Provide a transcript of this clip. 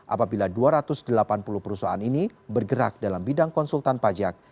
apabila dua ratus delapan puluh perusahaan ini bergerak dalam bidang konsultan pajak